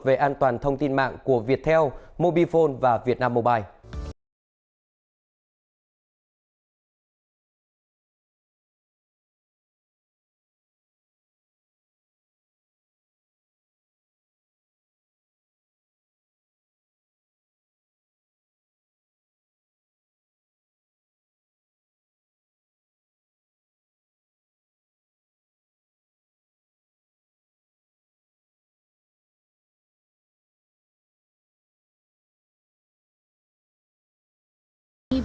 về an toàn thông tin mạng của viettel mobifone và vietnam mobile